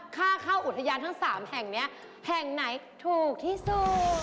ค่าเข้าอุทยานทั้ง๓แห่งนี้แห่งไหนถูกที่สุด